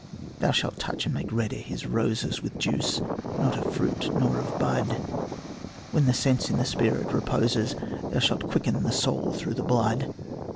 Thou shalt touch and make redder his roses With juice not of fruit nor of bud; When the sense in the spirit reposes, Thou shalt quicken the soul through the blood.